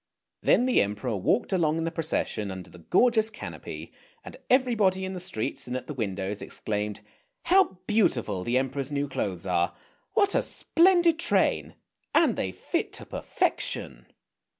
Then the Emperor walked along in the procession under the gorgeous canopy, and everybody in the streets and at the windows exclaimed, "How beautiful the Emperor's new clothes are! What a splendid train! And they fit to perfection!